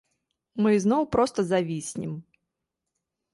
Мы ізноў проста завіснем.